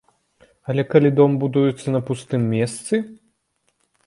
Але калі дом будуецца на пустым месцы?